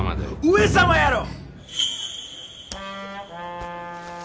上様やろ！